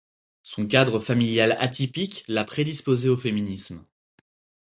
Son cadre familial atypique l'a prédisposée au féminisme.